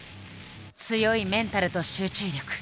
強いメンタルと集中力。